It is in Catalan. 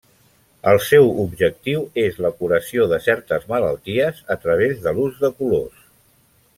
El seu objectiu és la curació de certes malalties a través de l'ús de colors.